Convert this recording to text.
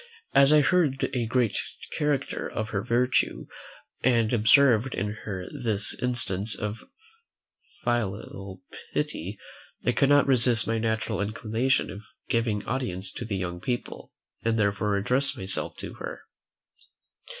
As I had heard a great character of her virtue, and observed in her this instance of filial piety, I could not resist my natural inclination of giving advice to young people, and therefore addressed myself to her.